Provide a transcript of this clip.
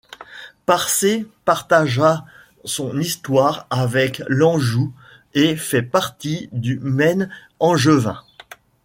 Parcé partagea son histoire avec l'Anjou et fait partie du Maine angevin.